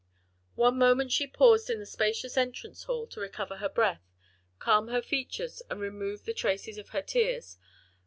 One moment she paused in the spacious entrance hall, to recover her breath, calm her features, and remove the traces of her tears.